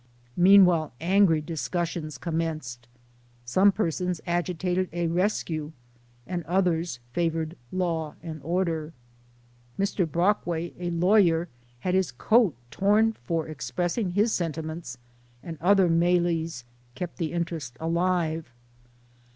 Meanwhile, angry discussions commenced. Some persons agitated a rescue, and others favored law and order. Mr. Bi'ockway, a lawyer, had his coat torn for express ing his sentiments; and other melees kept the inter est alive.